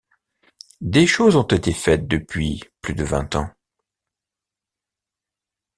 Des choses ont été faites depuis plus de vingt ans.